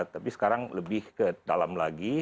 tapi sekarang lebih ke dalam lagi